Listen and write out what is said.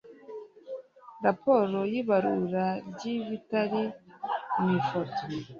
raporo y ibarura ry ibitari mu ifoto